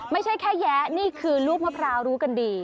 ไม่ใช่แค่แยะนี่คือลูกมะพร้าวรู้กันดี